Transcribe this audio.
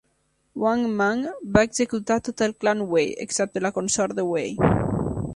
Wang Mang va executar tot el clan Wei, excepte la consort de Wei.